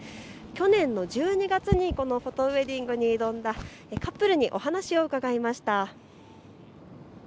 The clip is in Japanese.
去年の１２月にこのフォトウエディングに挑んだカップルにお話を伺いました。